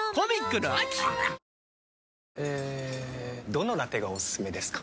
どのラテがおすすめですか？